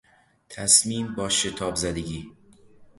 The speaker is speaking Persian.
تصمیم با شتابزدگی